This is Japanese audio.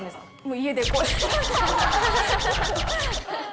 家でこうやって。